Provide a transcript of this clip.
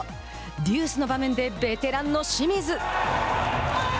デュースの場面でベテランの清水。